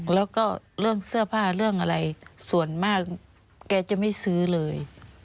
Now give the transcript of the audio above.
แล้วก็เรื่องเสื้อผ้าเรื่องอะไรส่วนมากแกจะไม่ซื้อเลย